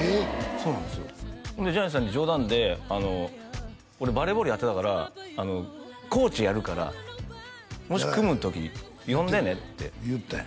そうなんですよでジャニーさんに冗談で俺バレーボールやってたからコーチやるからもし組む時呼んでねって言ったんや？